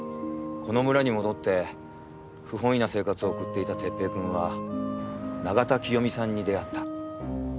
この村に戻って不本意な生活を送っていた哲平くんは永田清美さんに出会った。